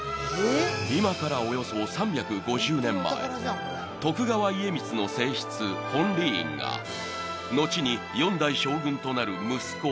［今からおよそ３５０年前徳川家光の正室本理院が後に四代将軍となる息子